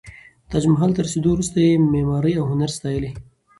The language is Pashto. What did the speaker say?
تاج محل ته رسېدو وروسته یې معماري او هنر ستایلی.